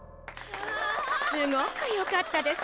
すごくよかったです！